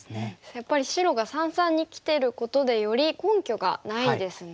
やっぱり白が三々にきてることでより根拠がないですね。